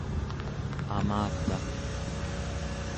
amataᵉ